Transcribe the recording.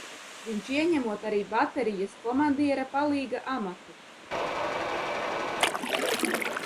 Viņš ieņemot arī baterijas komandiera palīga amatu.